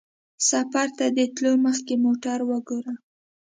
سفر ته د تلو مخکې موټر وګوره.